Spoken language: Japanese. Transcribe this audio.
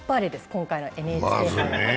今回のＮＨＫ杯は。